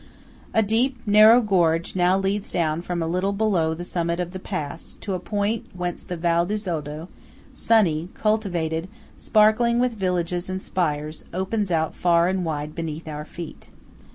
A deep, narrow gorge now leads down from a little below the summit of the pass, to a point whence the Val di Zoldo–sunny, cultivated, sparkling with villages and spires–opens out far and wide beneath our feet.